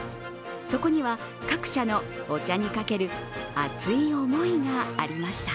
そこには、各社のお茶にかける熱思いいがありました。